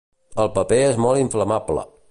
El paper és molt inflamable.